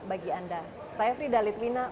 bagi anda saya fridhalid winnan